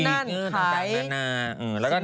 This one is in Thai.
อีกต่างนั้นนะ